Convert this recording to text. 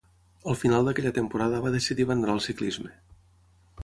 A final d'aquella temporada va decidir abandonar el ciclisme.